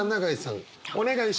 お願いします。